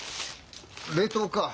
冷凍か。